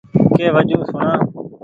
ڪي وجون سوڻا ۔